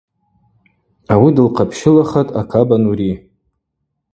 Ауи дылхъапщылахатӏ Акаба Нури.